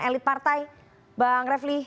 elit partai bang refli